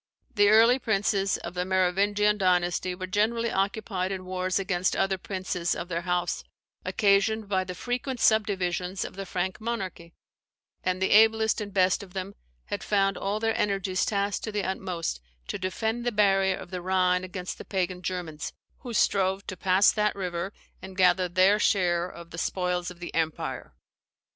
The early princes of the Merovingian dynasty were generally occupied in wars against other princes of their house, occasioned by the frequent subdivisions of the Frank monarchy: and the ablest and best of them had found all their energies tasked to the utmost to defend the barrier of the Rhine against the Pagan Germans, who strove to pass that river and gather their share of the spoils of the empire.